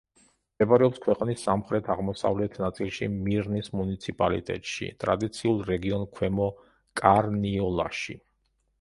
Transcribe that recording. მდებარეობს ქვეყნის სამხრეთ-აღმოსავლეთ ნაწილში მირნის მუნიციპალიტეტში, ტრადიციულ რეგიონ ქვემო კარნიოლაში.